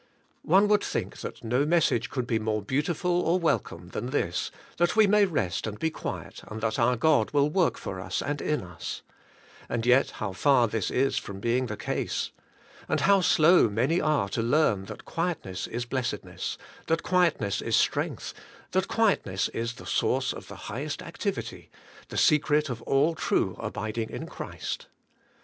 One would think that no message could be more beautiful or welcome than this, that we may rest and be quiet, and that our God will work for us and in us. And yet how far this is from being the case! And how slow many are to learn that quietness is blessedness, that quietness is strength, that quietness is the source of the highest activity, — the secret of all true abiding in Christ!